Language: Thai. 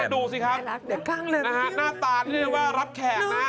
ดูสิครับหน้าตานี่เรียกว่ารับแขกนะ